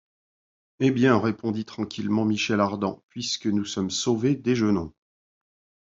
Eh bien, répondit tranquillement Michel Ardan, puisque nous sommes sauvés, déjeunons.